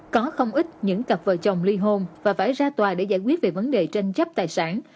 có không ít những cặp vợ chồng ly hôn và phải ra tòa để giải quyết về vấn đề tranh chấp tài sản